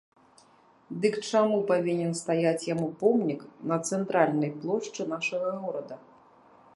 Дык чаму павінен стаяць яму помнік на цэнтральнай плошчы нашага горада?